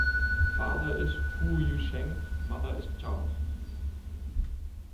Father is Hu Yucheng, mother is Cao.